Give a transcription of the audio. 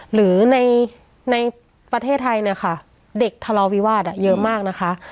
หรือในประเทศไทยเนี่ยค่ะเด็กทะเลาวิวาสเยอะมากนะคะ